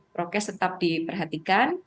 prokes tetap diperhatikan